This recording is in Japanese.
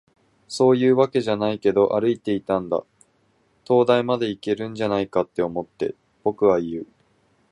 「そういうわけじゃないけど、歩いていたんだ。灯台までいけるんじゃないかって思って。」、僕は言う。